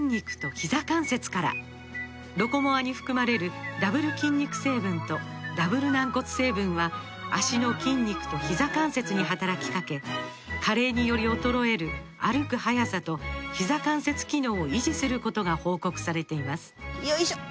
「ロコモア」に含まれるダブル筋肉成分とダブル軟骨成分は脚の筋肉とひざ関節に働きかけ加齢により衰える歩く速さとひざ関節機能を維持することが報告されていますよいしょっ！